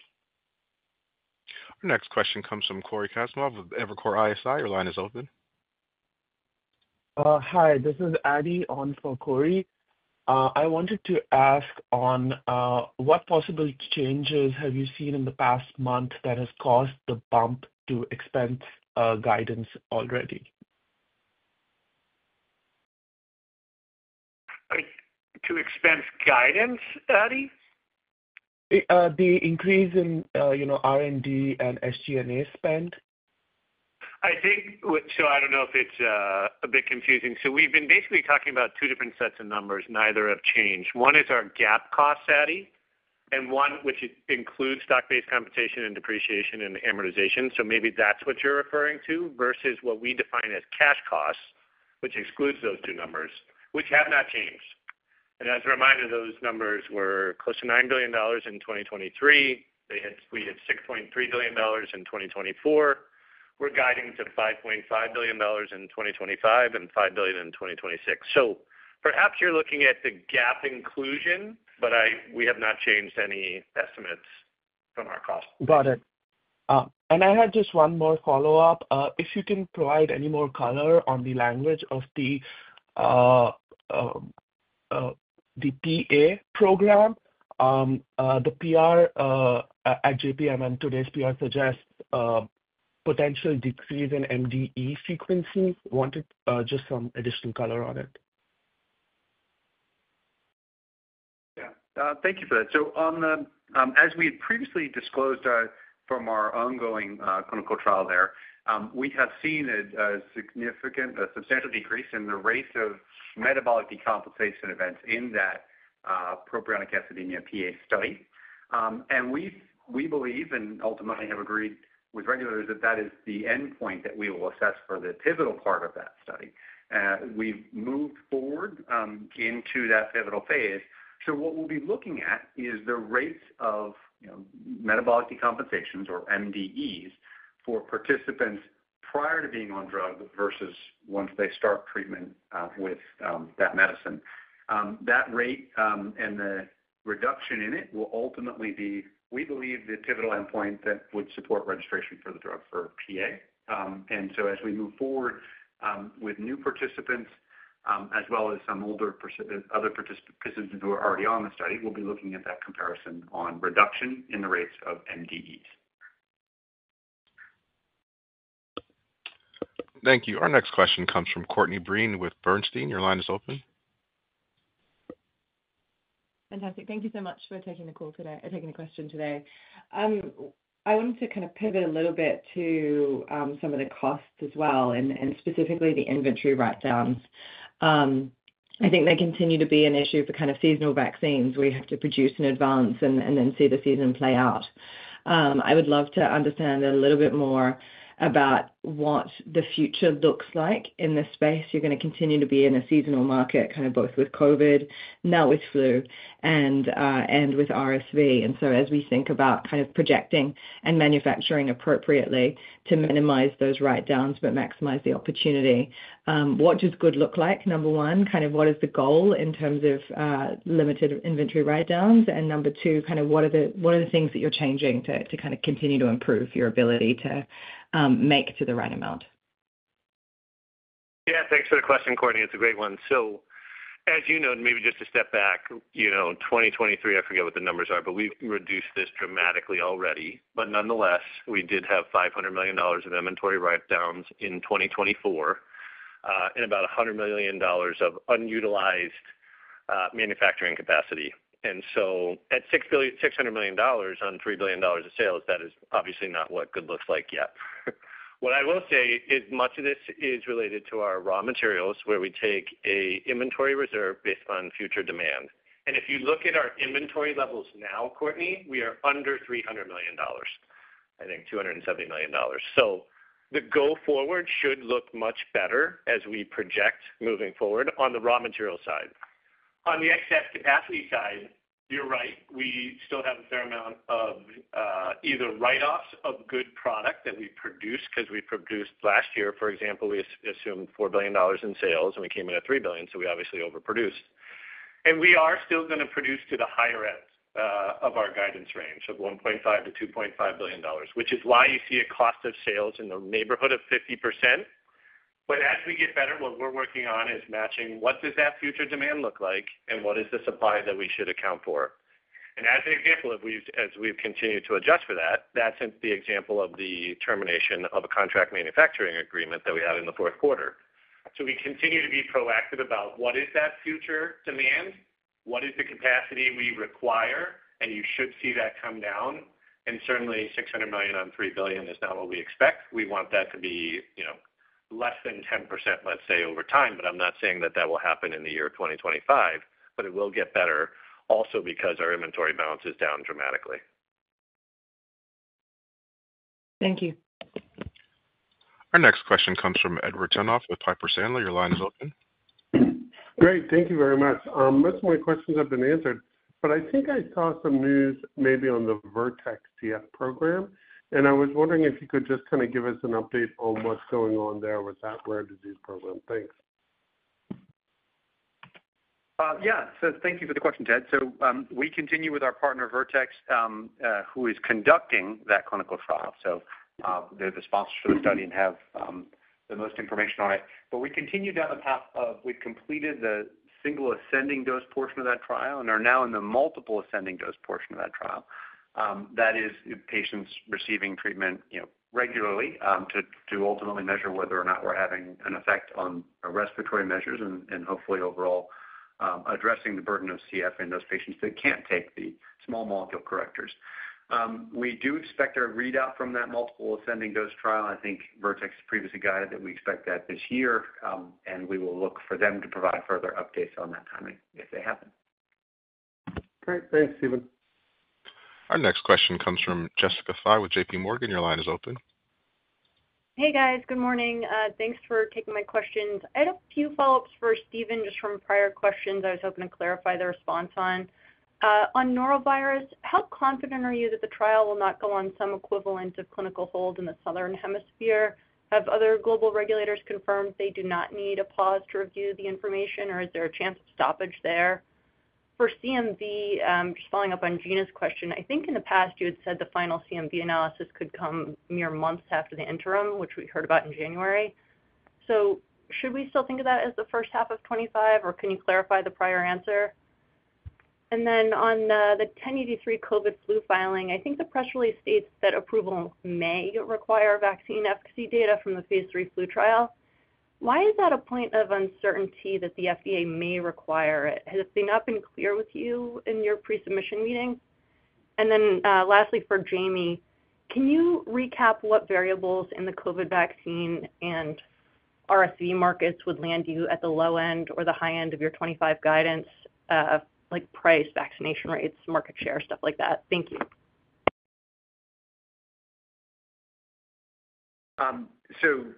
Our next question comes from Cory Kasimov with Evercore ISI. Your line is open. Hi. This is Adi on for Cory. I wanted to ask on what possible changes have you seen in the past month that have caused the bump to expense guidance already? To expense guidance, Adi? The increase in R&D and SG&A spend. I think so I don't know if it's a bit confusing. So we've been basically talking about two different sets of numbers. Neither have changed. One is our GAAP cost, Adi, and one which includes stock-based compensation and depreciation and amortization. So maybe that's what you're referring to versus what we define as cash costs, which excludes those two numbers, which have not changed. And as a reminder, those numbers were close to $9 billion in 2023. We had $6.3 billion in 2024. We're guiding to $5.5 billion in 2025 and $5 billion in 2026. So perhaps you're looking at the GAAP inclusion, but we have not changed any estimates from our cost. Got it. I had just one more follow-up. If you can provide any more color on the language of the PA program, the PR at JPM and today's PR suggests potential decrease in MDE frequency. Wanted just some additional color on it. Yeah. Thank you for that. As we had previously disclosed from our ongoing clinical trial there, we have seen a significant, substantial decrease in the rate of metabolic decompensation events in that propionic acidemia PA study. We believe and ultimately have agreed with regulators that that is the endpoint that we will assess for the pivotal part of that study. We've moved forward into that pivotal Phase. What we'll be looking at is the rates of metabolic decompensations or MDEs for participants prior to being on drugs versus once they start treatment with that medicine. That rate and the reduction in it will ultimately be, we believe, the pivotal endpoint that would support registration for the drug for PA. And so as we move forward with new participants as well as some older other participants who are already on the study, we'll be looking at that comparison on reduction in the rates of MDEs. Thank you. Our next question comes from Courtney Breen with Bernstein. Your line is open. Fantastic. Thank you so much for taking the call today or taking the question today. I wanted to kind of pivot a little bit to some of the costs as well and specifically the inventory write-downs. I think they continue to be an issue for kind of seasonal vaccines. We have to produce in advance and then see the season play out. I would love to understand a little bit more about what the future looks like in this space. You're going to continue to be in a seasonal market, kind of both with COVID, now with flu, and with RSV. And so as we think about kind of projecting and manufacturing appropriately to minimize those write-downs but maximize the opportunity, what does good look like, number one? Kind of what is the goal in terms of limited inventory write-downs? And number two, kind of what are the things that you're changing to kind of continue to improve your ability to make to the right amount? Yeah. Thanks for the question, Courtney. It's a great one. So as you know, maybe just to step back, 2023, I forget what the numbers are, but we've reduced this dramatically already. But nonetheless, we did have $500 million of inventory write-downs in 2024 and about $100 million of unutilized manufacturing capacity. And so at $600 million on $3 billion of sales, that is obviously not what good looks like yet. What I will say is much of this is related to our raw materials where we take an inventory reserve based on future demand. And if you look at our inventory levels now, Courtney, we are under $300 million, I think $270 million. So the go-forward should look much better as we project moving forward on the raw material side. On the excess capacity side, you're right. We still have a fair amount of either write-offs of good product that we produce because we produced last year, for example, we assumed $4 billion in sales, and we came in at $3 billion, so we obviously overproduced. And we are still going to produce to the higher end of our guidance range of $1.5-$2.5 billion, which is why you see a cost of sales in the neighborhood of 50%. But as we get better, what we're working on is matching what does that future demand look like and what is the supply that we should account for. And as an example, as we've continued to adjust for that, that's the example of the termination of a contract manufacturing agreement that we had in the fourth quarter. So we continue to be proactive about what is that future demand, what is the capacity we require, and you should see that come down. And certainly, $600 million on $3 billion is not what we expect. We want that to be less than 10%, let's say, over time. But I'm not saying that that will happen in the year 2025, but it will get better also because our inventory balance is down dramatically. Thank you. Our next question comes from Edward Tenthoff with Piper Sandler. Your line is open. Great. Thank you very much. Most of my questions have been answered, but I think I saw some news maybe on the Vertex CF program, and I was wondering if you could just kind of give us an update on what's going on there with that rare disease program. Thanks. Yeah. So thank you for the question, Ted. So we continue with our partner Vertex, who is conducting that clinical trial. So they're the sponsors for the study and have the most information on it. But we continue down the path of we've completed the single ascending dose portion of that trial and are now in the multiple ascending dose portion of that trial. That is patients receiving treatment regularly to ultimately measure whether or not we're having an effect on our respiratory measures and hopefully overall addressing the burden of CF in those patients that can't take the small molecule correctors. We do expect a readout from that multiple ascending dose trial. I think Vertex previously guided that we expect that this year, and we will look for them to provide further updates on that timing if they happen. Great. Thanks, Stephen. Our next question comes from Jessica Fye with J.P. Morgan. Your line is open. Hey, guys. Good morning. Thanks for taking my questions. I had a few follow-ups for Stephen just from prior questions I was hoping to clarify the response on. On norovirus, how confident are you that the trial will not go on some equivalent of clinical hold in the southern hemisphere? Have other global regulators confirmed they do not need a pause to review the information, or is there a chance of stoppage there? For CMV, just following up on Gina's question, I think in the past you had said the final CMV analysis could come mere months after the interim, which we heard about in January. So should we still think of that as the first half of '25, or can you clarify the prior answer? And then on the 1083 COVID flu filing, I think the press release states that approval may require vaccine efficacy data from the Phase 3 flu trial. Why is that a point of uncertainty that the FDA may require it? Has it not been clear with you in your pre-submission meeting? Then lastly, for Jamey, can you recap what variables in the COVID vaccine and RSV markets would land you at the low end or the high end of your 2025 guidance, like price, vaccination rates, market share, stuff like that? Thank you.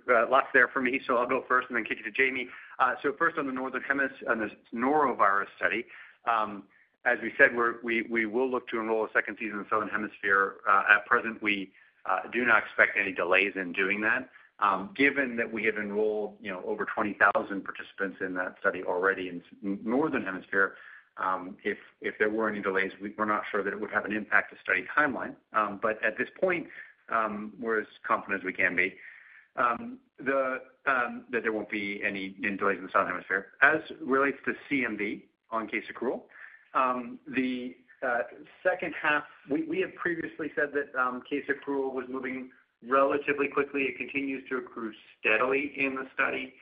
Lots there for me. I'll go first and then kick it to Jamey. First, on the northern hemisphere, on this norovirus study, as we said, we will look to enroll a second season in the southern hemisphere. At present, we do not expect any delays in doing that. Given that we have enrolled over 20,000 participants in that study already in the northern hemisphere, if there were any delays, we're not sure that it would have an impact to study timeline. But at this point, we're as confident as we can be that there won't be any delays in the southern hemisphere. As relates to CMV on case accrual, the second half, we had previously said that case accrual was moving relatively quickly. It continues to accrue steadily in the study.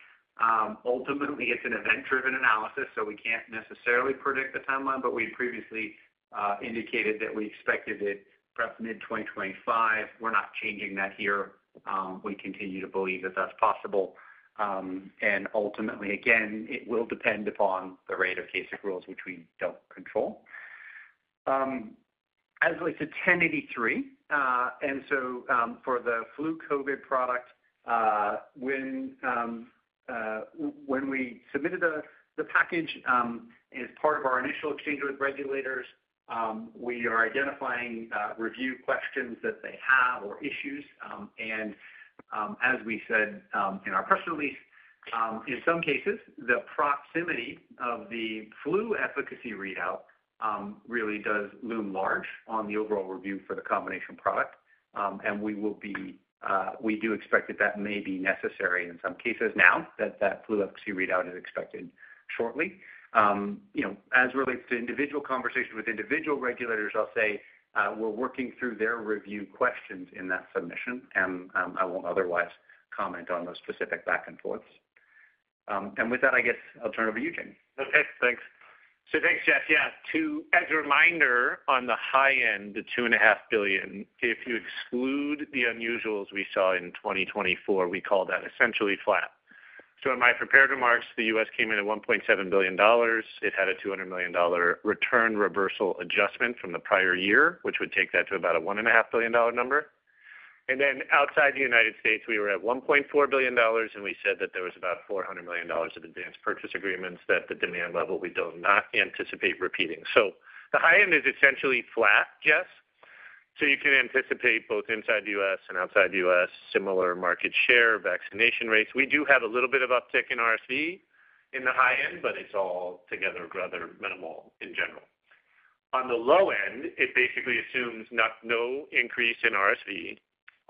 Ultimately, it's an event-driven analysis, so we can't necessarily predict the timeline, but we had previously indicated that we expected it perhaps mid-2025. We're not changing that here. We continue to believe that that's possible. And ultimately, again, it will depend upon the rate of case accruals, which we don't control. As it relates to 1083, and so for the flu COVID product, when we submitted the package as part of our initial exchange with regulators, we are identifying review questions that they have or issues. And as we said in our press release, in some cases, the proximity of the flu efficacy readout really does loom large on the overall review for the combination product. We do expect that that may be necessary in some cases now that that flu efficacy readout is expected shortly. As relates to individual conversations with individual regulators, I'll say we're working through their review questions in that submission, and I won't otherwise comment on those specific back and forths. With that, I guess I'll turn it over to you, Jamey. Okay. Thanks. Thanks, Steph. Yeah. As a reminder on the high end, the $2.5 billion, if you exclude the unusuals we saw in 2024, we call that essentially flat. In my prepared remarks, the U.S. came in at $1.7 billion. It had a $200 million reserve reversal adjustment from the prior year, which would take that to about a $1.5 billion number. Outside the United States, we were at $1.4 billion, and we said that there was about $400 million of advanced purchase agreements that the demand level we do not anticipate repeating. The high end is essentially flat, Jess. You can anticipate both inside the U.S. and outside the U.S. similar market share vaccination rates. We do have a little bit of uptick in RSV in the high end, but it's altogether rather minimal in general. On the low end, it basically assumes no increase in RSV.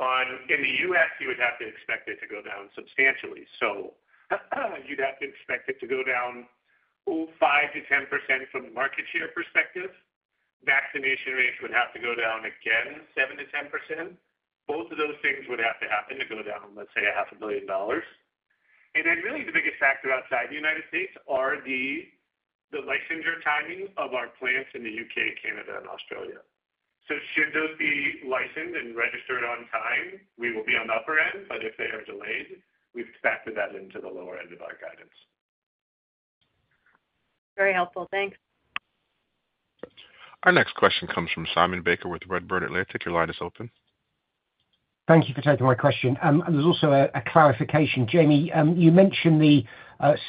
In the U.S., you would have to expect it to go down substantially. You'd have to expect it to go down 5%-10% from market share perspective. Vaccination rates would have to go down again, 7%-10%. Both of those things would have to happen to go down, let's say, $500 million. And then really the biggest factor outside the United States are the licensure timing of our plants in the U.K., Canada, and Australia. So should those be licensed and registered on time, we will be on the upper end, but if they are delayed, we've factored that into the lower end of our guidance. Very helpful. Thanks. Our next question comes from Simon Baker with Redburn Atlantic. Your line is open. Thank you for taking my question. There's also a clarification. Jamey, you mentioned the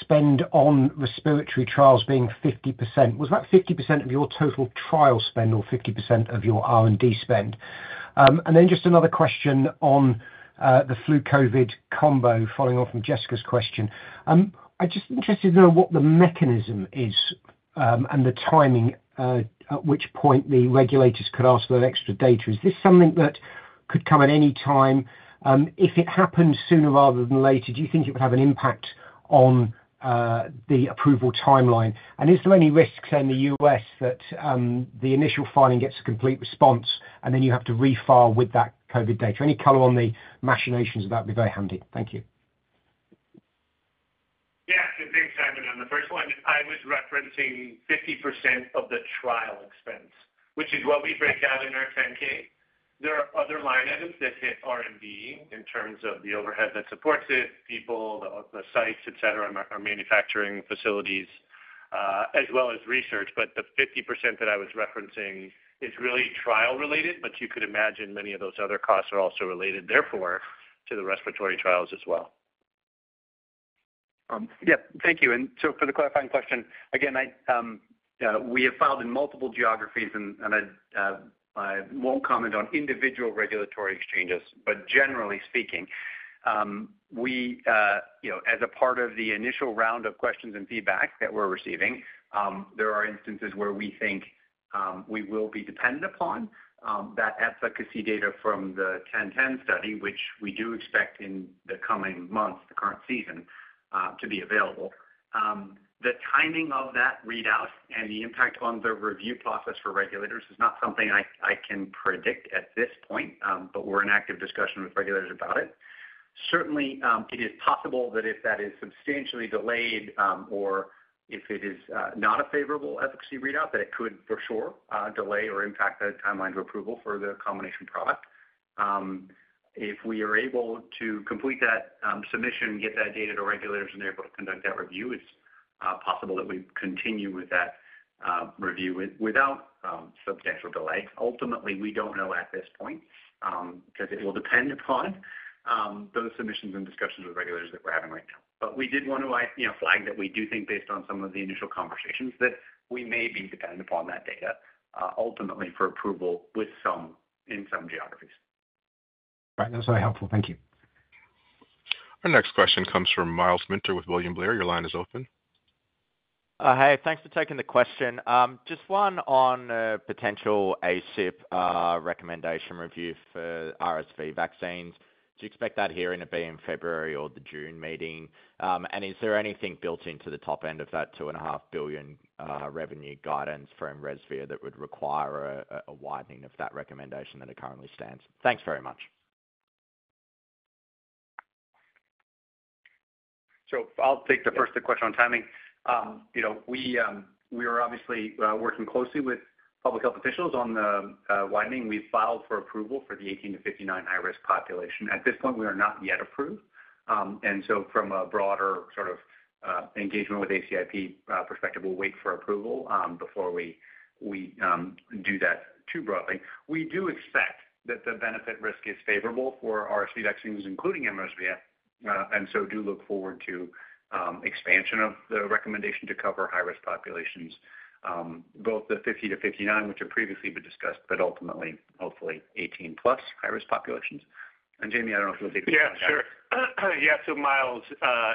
spend on respiratory trials being 50%. Was that 50% of your total trial spend or 50% of your R&D spend? And then just another question on the flu COVID combo, following on from Jessica's question. I'm just interested to know what the mechanism is and the timing at which point the regulators could ask for that extra data. Is this something that could come at any time? If it happens sooner rather than later, do you think it would have an impact on the approval timeline? And is there any risk in the U.S. that the initial filing gets a complete response and then you have to refile with that COVID data? Any color on the machinations of that would be very handy. Thank you. Yeah. So thanks, Simon, on the first one. I was referencing 50% of the trial expense, which is what we break out in our 10-K. There are other line items that hit R&D in terms of the overhead that supports it, people, the sites, etc., our manufacturing facilities, as well as research. But the 50% that I was referencing is really trial-related, but you could imagine many of those other costs are also related, therefore, to the respiratory trials as well. Yep. Thank you. And so for the clarifying question, again, we have filed in multiple geographies, and I won't comment on individual regulatory exchanges, but generally speaking, as a part of the initial round of questions and feedback that we're receiving, there are instances where we think we will be dependent upon that efficacy data from the 1010 study, which we do expect in the coming months, the current season, to be available. The timing of that readout and the impact on the review process for regulators is not something I can predict at this point, but we're in active discussion with regulators about it. Certainly, it is possible that if that is substantially delayed or if it is not a favorable efficacy readout, that it could for sure delay or impact the timeline of approval for the combination product. If we are able to complete that submission, get that data to regulators, and they're able to conduct that review, it's possible that we continue with that review without substantial delay. Ultimately, we don't know at this point because it will depend upon those submissions and discussions with regulators that we're having right now. But we did want to flag that we do think, based on some of the initial conversations, that we may be dependent upon that data ultimately for approval in some geographies. Right. That's very helpful. Thank you. Our next question comes from Myles Minter with William Blair. Your line is open. Hi. Thanks for taking the question. Just one on a potential ACIP recommendation review for RSV vaccines. Do you expect that hearing to be in February or the June meeting? And is there anything built into the top end of that $2.5 billion revenue guidance from mRESVIA that would require a widening of that recommendation that it currently stands? Thanks very much. So I'll take the first question on timing. We are obviously working closely with public health officials on the widening. We've filed for approval for the 18-59 high-risk population. At this point, we are not yet approved. And so from a broader sort of engagement with ACIP perspective, we'll wait for approval before we do that too broadly. We do expect that the benefit-risk is favorable for RSV vaccines, including mRESVIA, and so do look forward to expansion of the recommendation to cover high-risk populations, both the 50-59, which have previously been discussed, but ultimately, hopefully, 18-plus high-risk populations. And Jamie, I don't know if you'll take the question. Yeah. Sure. Yeah. So Myles,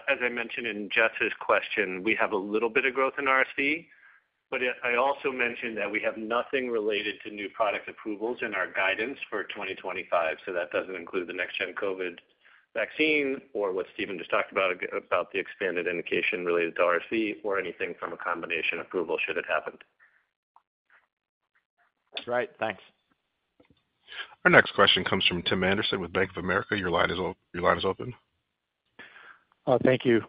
as I mentioned in Jess's question, we have a little bit of growth in RSV, but I also mentioned that we have nothing related to new product approvals in our guidance for 2025. So that doesn't include the next-gen COVID vaccine or what Stephen just talked about, about the expanded indication related to RSV or anything from a combination approval should it happen. That's right. Thanks. Our next question comes from Tim Anderson with Wolfe Research. Your line is open. Thank you.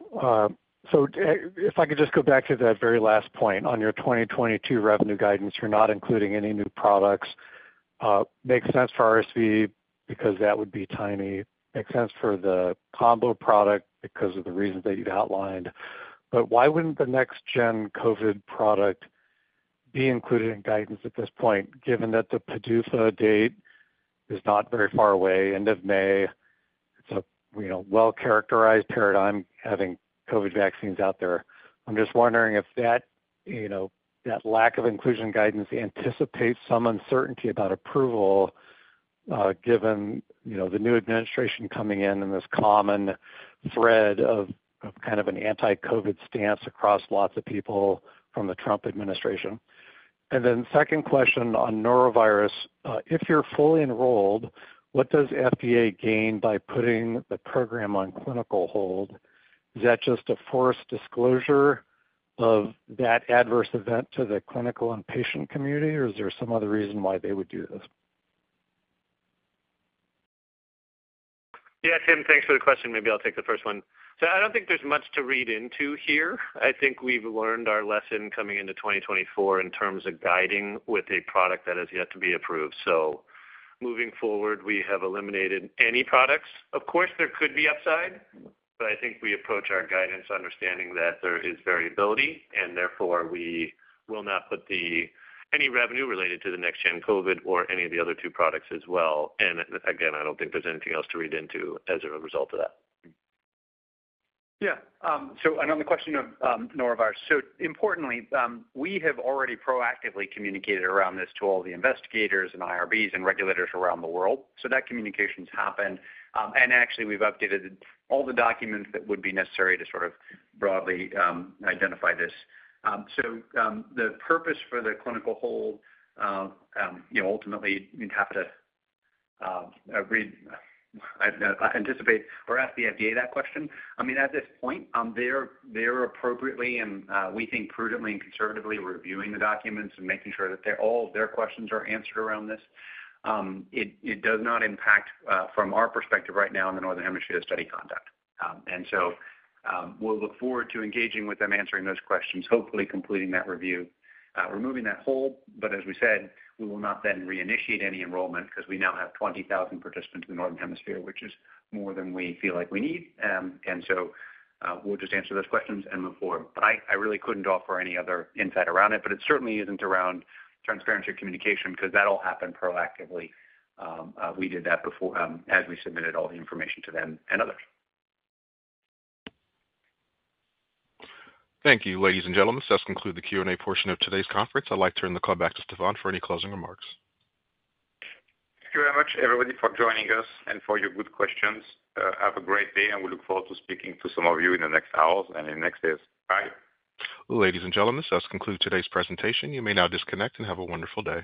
So if I could just go back to that very last point. On your 2022 revenue guidance, you're not including any new products. Makes sense for RSV because that would be tiny. Makes sense for the combo product because of the reasons that you've outlined. But why wouldn't the next-gen COVID product be included in guidance at this point, given that the PDUFA date is not very far away, end of May? It's a well-characterized paradigm having COVID vaccines out there. I'm just wondering if that lack of inclusion guidance anticipates some uncertainty about approval, given the new administration coming in and this common thread of kind of an anti-COVID stance across lots of people from the Trump administration. And then second question on norovirus, if you're fully enrolled, what does FDA gain by putting the program on clinical hold? Is that just a forced disclosure of that adverse event to the clinical and patient community, or is there some other reason why they would do this? Yeah. Tim, thanks for the question. Maybe I'll take the first one. So I don't think there's much to read into here. I think we've learned our lesson coming into 2024 in terms of guiding with a product that has yet to be approved. So moving forward, we have eliminated any products. Of course, there could be upside, but I think we approach our guidance understanding that there is variability, and therefore, we will not put any revenue related to the next-gen COVID or any of the other two products as well. And again, I don't think there's anything else to read into as a result of that. Yeah. So on the question of norovirus, so importantly, we have already proactively communicated around this to all the investigators and IRBs and regulators around the world. So that communication's happened. And actually, we've updated all the documents that would be necessary to sort of broadly identify this. So the purpose for the clinical hold, ultimately, you'd have to read, I anticipate, or ask the FDA that question. I mean, at this point, they're appropriately and we think prudently and conservatively reviewing the documents and making sure that all of their questions are answered around this. It does not impact, from our perspective right now in the northern hemisphere, study conduct. And so we'll look forward to engaging with them, answering those questions, hopefully completing that review, removing that hold. But as we said, we will not then reinitiate any enrollment because we now have 20,000 participants in the northern hemisphere, which is more than we feel like we need. And so we'll just answer those questions and move forward. But I really couldn't offer any other insight around it, but it certainly isn't around transparency or communication because that'll happen proactively. We did that before as we submitted all the information to them and others. Thank you, ladies and gentlemen. So that's concluded the Q&A portion of today's conference. I'd like to turn the call back to Stéphane for any closing remarks. Thank you very much, everybody, for joining us and for your good questions. Have a great day, and we look forward to speaking to some of you in the next hours and in the next days. Bye. Ladies and gentlemen, so that's concluded today's presentation. You may now disconnect and have a wonderful day.